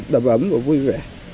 đầm ấm và vui vẻ